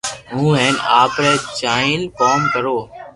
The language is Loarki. ھون ھين آپري جائين ڪوم ڪرو